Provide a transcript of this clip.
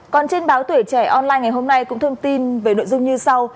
còn trên báo tuổi trẻ online ngày hôm nay cũng thông tin về nội dung như sau